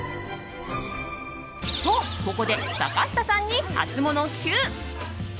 と、ここで坂下さんにハツモノＱ。